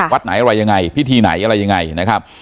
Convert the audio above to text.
วัดไหนอะไรยังไงพิธีไหนอะไรยังไงนะครับ